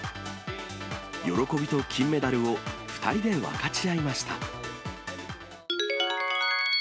喜びと金メダルを２人で分かち合いました。